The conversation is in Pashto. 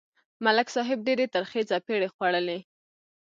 ملک صاحب ډېرې ترخې څپېړې خوړلې.